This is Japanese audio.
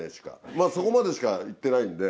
まだそこまでしかいってないんで。